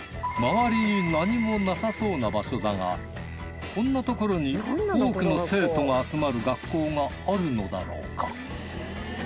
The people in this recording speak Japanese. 周りに何もなさそうな場所だがこんなところに多くの生徒が集まる学校があるのだろうか？